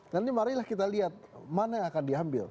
nah ini mari kita lihat mana yang akan diambil